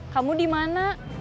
kamu di mana